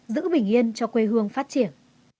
giữ bình yên cho quê hương phát triển